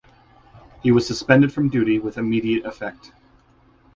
He was suspended from duty with immediate effect.